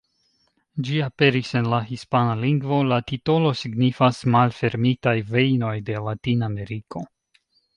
Ĝi aperis en la hispana lingvo, la titolo signifas: "Malfermitaj vejnoj de Latin-Ameriko".